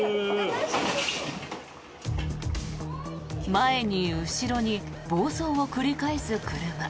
前に後ろに暴走を繰り返す車。